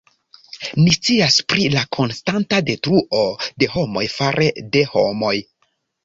Ni scias pri la konstanta detruo de homoj fare de homoj.